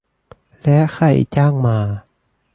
และใครจ้างมา